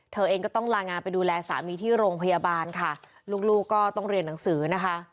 เธอเองก็ต้องลางานไปดูแลสามีที่โรงพยาบาลค่ะลูกลูกก็ต้องเรียนหนังสือนะคะ